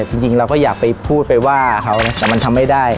จริงเราก็อยากไปพูดไปว่าเขานะแต่มันทำไม่ได้